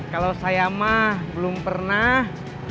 kalau saya mah belum pernah